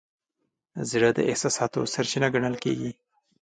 زړه د احساساتو سرچینه ګڼل کېږي.